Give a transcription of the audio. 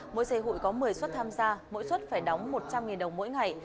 mỗi giây hụi có một mươi suất tham gia mỗi suất phải đóng một trăm linh đồng mỗi ngày